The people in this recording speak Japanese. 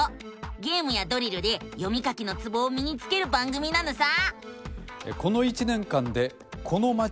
ゲームやドリルで読み書きのツボをみにつける番組なのさ！